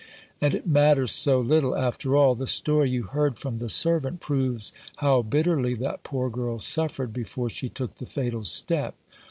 "And it matters so little, after all. The story you heard from the servant proves how bitterly that poor girl suffered before she took the fatal step.